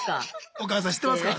お母さん知ってますか。